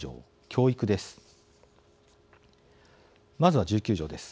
教育です。